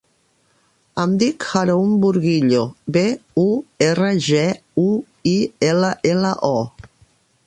Em dic Haroun Burguillo: be, u, erra, ge, u, i, ela, ela, o.